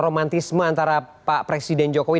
romantisme antara pak presiden jokowi